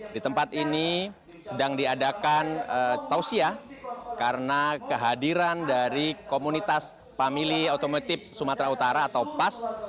di tempat ini sedang diadakan tausiah karena kehadiran dari komunitas famili otomotif sumatera utara atau pas